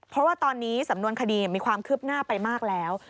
เพราะว่าตอนนี้สำนวนคดีมีความคืบหน้าไปมากแล้ว